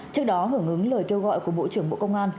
trước đó hưởng ứng lời kêu gọi của bộ trưởng bộ công an